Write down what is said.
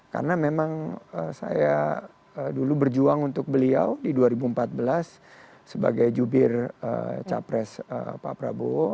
karena memang saya dulu berjuang untuk beliau di dua ribu empat belas sebagai jubir capres pak prabowo